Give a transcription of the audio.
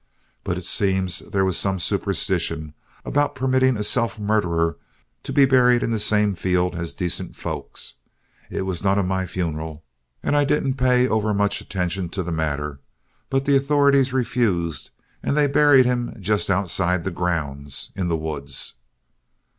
But it seems there was some superstition about permitting a self murderer to be buried in the same field as decent folks. It was none of my funeral, and I didn't pay overmuch attention to the matter, but the authorities refused, and they buried him just outside the grounds, in the woods.